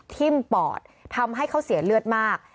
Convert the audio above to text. ปอดทำให้เขาเสียเลือดมาก